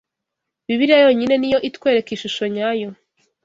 Bibiliya yonyine ni yo itwereka ishusho nyayo